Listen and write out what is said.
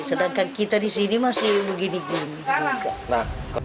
sedangkan kita di sini masih begini gini